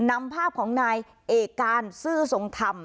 นำภาพของนายเอกการซื่อทรงธรรม